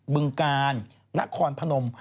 บึงกาลนครพนม